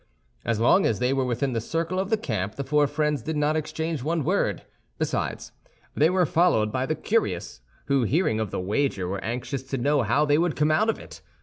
As long as they were within the circle of the camp, the four friends did not exchange one word; besides, they were followed by the curious, who, hearing of the wager, were anxious to know how they would come out of it.